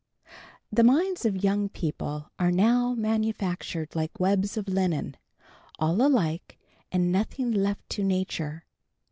The minds of young people are now manufactured like webs of linen, all alike, and nothing left to nature.